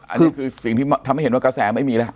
อันนี้คือสิ่งที่ทำให้เห็นว่ากระแสไม่มีแล้ว